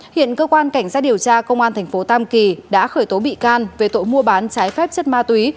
hiện cơ quan cảnh sát điều tra công an thành phố tam kỳ đã khởi tố bị can về tội mua bán trái phép chất ma túy